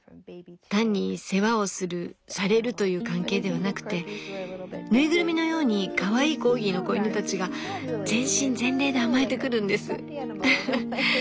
単に世話をするされるという関係ではなくて縫いぐるみのようにかわいいコーギーの子犬たちが全身全霊で甘えてくるんです。